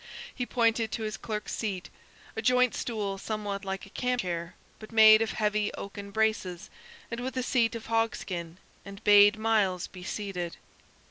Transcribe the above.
He pointed to his clerk's seat a joint stool somewhat like a camp chair, but made of heavy oaken braces and with a seat of hog skin and bade Myles be seated.